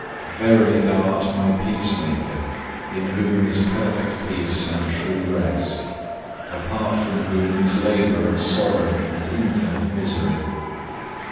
Verily Thou art my Peacemaker, in Whom is perfect peace and true rest, apart from Whom is labour and sorrow and infinite misery.